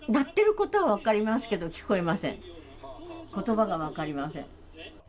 ことばが分かりません。